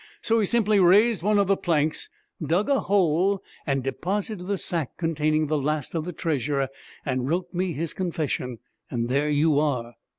So he simply raised one of the planks, dug a hole, and deposited the sack containing the last of the treasure, and wrote me his confession. And there you are!'